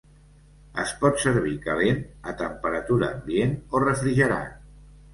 Es pot servir calent, a temperatura ambient o refrigerat.